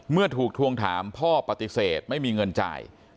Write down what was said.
เมื่อถูกทวงถามพ่อปฏิเสธไม่มีเงินจ่าย